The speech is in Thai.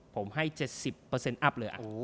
ผมให้๗๐อัพเลย